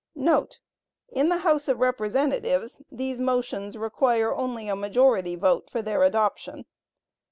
* [In the House of Representatives, these motions require only a majority vote for their adoption.